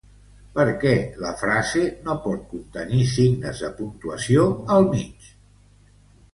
Per què la frase no pot contenir signes de puntuació al mig?